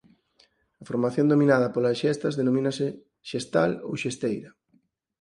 A formación dominada polas xestas denomínase "xestal" ou "xesteira".